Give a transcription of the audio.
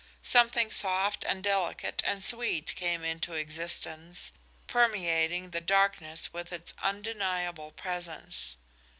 Something soft and delicate and sweet came into existence, permeating the darkness with its undeniable presence.